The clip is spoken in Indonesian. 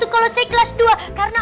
kalau saya kelas dua